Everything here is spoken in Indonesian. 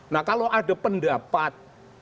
nah kalau ada pendapat